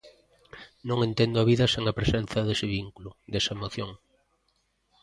Non entendo a vida sen a presenza dese vínculo, desa emoción.